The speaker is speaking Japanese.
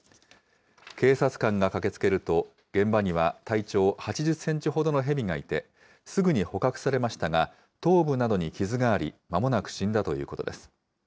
警察官が駆けつけると、現場には体長８０センチほどのヘビがいて、すぐに捕獲されましたが、頭部などに傷があり、まもなく死んだということです。